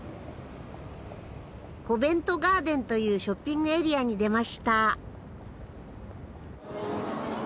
コベントガーデンというショッピングエリアに出ました。